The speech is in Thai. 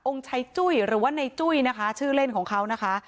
ชัยจุ้ยหรือว่าในจุ้ยนะคะชื่อเล่นของเขานะคะ